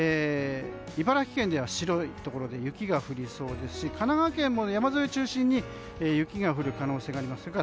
茨城県では白いところで雪が降りそうですし神奈川県も山沿いを中心に雪が降る可能性があります。